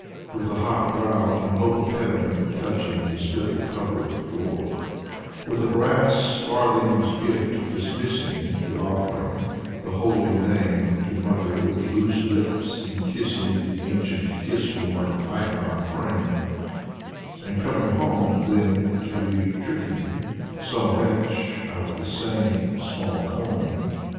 With the hot brow, in hope of heaven. Touching the spittle covered floor; With a brass farthing's gift dismissing The offering, the holy Name To mutter with loose lips, in kissing The ancient, kiss worn icon frame; • And coming home, then, to be tricking Some wretch out of the same small coin.